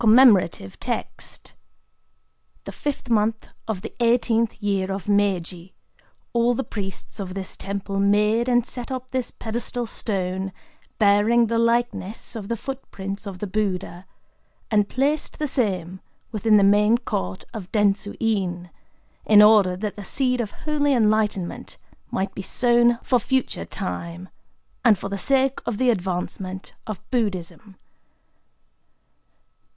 [Commemorative Text.] —The Fifth Month of the Eighteenth Year of Meiji, all the priests of this temple made and set up this pedestal stone, bearing the likeness of the footprints of the Buddha, and placed the same within the main court of Dentsu In, in order that the seed of holy enlightenment might be sown for future time, and for the sake of the advancement of Buddhism.